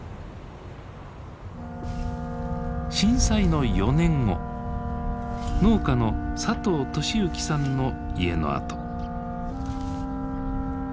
震災の４年後農家の佐藤利幸さんの家の跡。